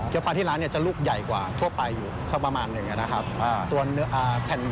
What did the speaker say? เกี๊ยวปลาที่ร้านจะลูกใหญ่กว่าทั่วไปอยู่สักประมาณอย่างนี้นะครับ